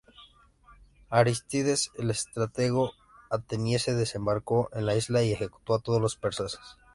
Arístides, el estratego ateniense, desembarcó en la isla y ejecutó a todos los persas.